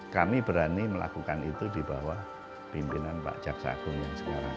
kami berani melakukan itu di bawah pimpinan pak jaksa agung yang sekarang